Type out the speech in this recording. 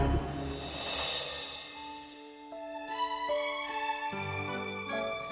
milikmu tidak akan besar supaya di ciaoaskan